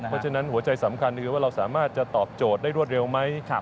เพราะฉะนั้นหัวใจสำคัญคือว่าเราสามารถจะตอบโจทย์ได้รวดเร็วไหม